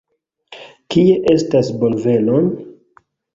Kie estas bonvenon?